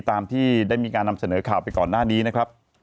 ตามที่ได้มีการนำเสนอข่าวไปก่อนหน้านี้นะครับ